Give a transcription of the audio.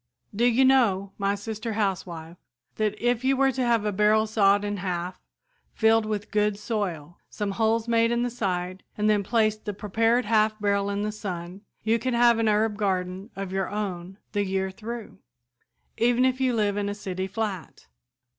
"Do you know, my sister housewife, that if you were to have a barrel sawed in half, filled with good soil, some holes made in the side and then placed the prepared half barrel in the sun, you could have an herb garden of your own the year through, even if you live in a city flat?